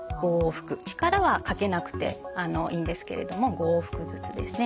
力はかけなくていいんですけれども５往復ずつですね。